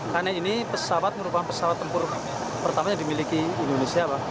karena ini pesawat merupakan pesawat tempur pertama yang dimiliki indonesia